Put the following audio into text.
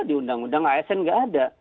di undang undang asn nggak ada